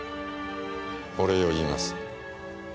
お礼を言います。